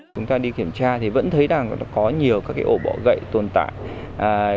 chúng ta đi kiểm tra thì vẫn thấy rằng có nhiều các ổ bỏ gậy tồn tại